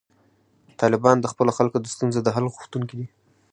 طالبان د خپلو خلکو د ستونزو د حل غوښتونکي دي.